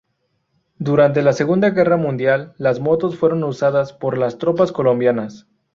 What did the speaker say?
Durante la segunda guerra mundial las motos fueron usadas por las tropas colombianas.